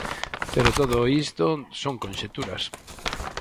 Pero todo isto son conxecturas.